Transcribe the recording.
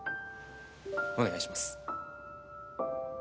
お願いします。